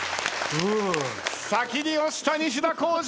先に押した西田幸治！